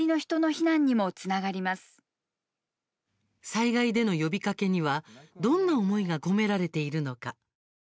災害での呼びかけにはどんな思いが込められているのか。